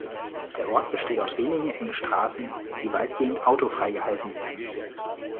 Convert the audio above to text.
Der Ort besteht aus wenigen engen Straßen, die weitgehend autofrei gehalten werden.